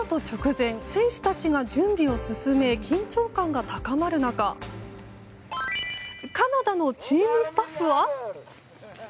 直前選手たちが準備を進め緊張感が高まる中カナダのチームのスタッフは。